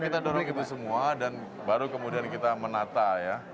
kita dorong itu semua dan baru kemudian kita menata ya